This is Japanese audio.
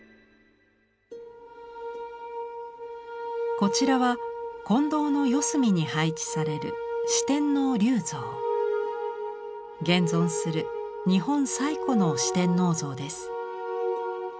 こちらは金堂の四隅に配置される現存する日本最古の四天王像です。